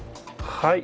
はい。